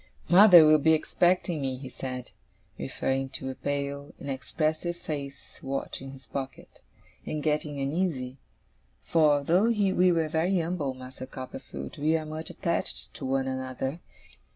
'Mother will be expecting me,' he said, referring to a pale, inexpressive faced watch in his pocket, 'and getting uneasy; for though we are very umble, Master Copperfield, we are much attached to one another.